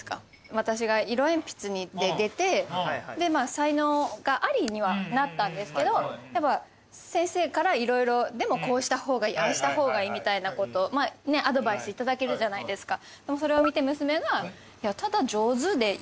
私が色鉛筆で出てで才能がありにはなったんですけど先生から色々でもこうした方がいいああした方がいいみたいなことアドバイス頂けるじゃないですかそれを見て娘が。